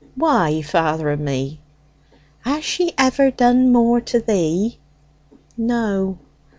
"Why, father of me?" "Has she ever done more to thee?" "No."